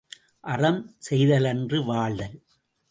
அறம், செய்தலன்று வாழ்தல்.